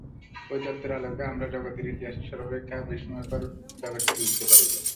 এই তত্ত্বের আলোকে আমরা জগতের ইতিহাসের সর্বাপেক্ষা বিস্ময়কর ব্যাপারটি বুঝিতে পারিব।